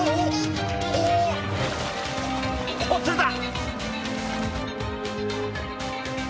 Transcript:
おお釣れた！